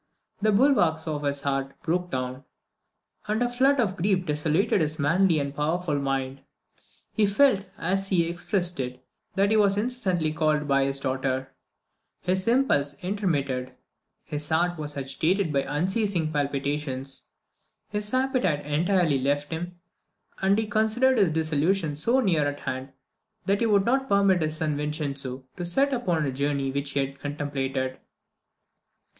The bulwarks of his heart broke down, and a flood of grief desolated his manly and powerful mind. He felt, as he expressed it, that he was incessantly called by his daughter his pulse intermitted his heart was agitated with unceasing palpitations his appetite entirely left him, and he considered his dissolution so near at hand, that he would not permit his son Vicenzo to set out upon a journey which he had contemplated.